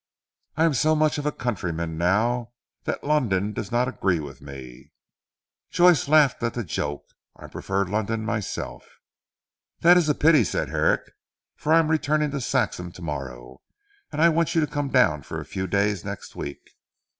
"I am so much a countryman now, that London does not agree with me." Joyce laughed at the joke. "I prefer London myself." "That is a pity," said Herrick, "for I am returning to Saxham to morrow, and I want you to come down for a few days next week."